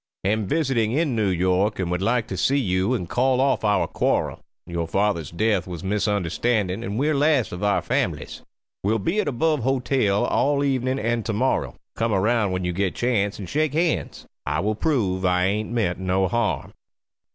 am visiting in New York and would like to see you and call off our kwarrel youre fathers death was misunderstandin and were last of our families will be at Above hotel all evenin and tomorrow come Around when you get chance and shake hands i Will prove I aint meant no harm.